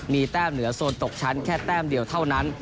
มีแต้มเหนือโซนตกชั้นแค่แต้มเดียวเท่านั้น